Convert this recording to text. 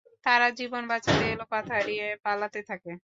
তারা জীবন বাঁচাতে এলোপাথাড়ি পালাতে থাকে।